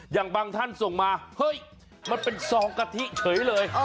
อย่างบางท่านส่งมาเฮ้ยมันเป็นซองกะทิเฉยเลย